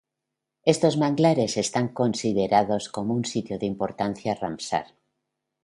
Estos manglares están considerados como un sitio de importancia Ramsar.